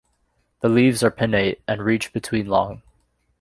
The leaves are pinnate, and reach between long.